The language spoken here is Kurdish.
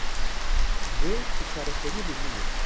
Divê tu çareseriyê bibînî.